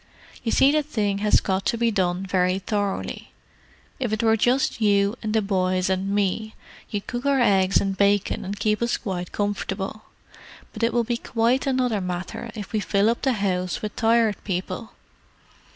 You see the thing has got to be done very thoroughly. If it were just you and the boys and me you'd cook our eggs and bacon and keep us quite comfortable. But it will be quite another matter when we fill up all those rooms with Tired People."